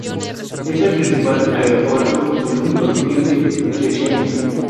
Es el principal aeropuerto, y el único civil, de Chechenia.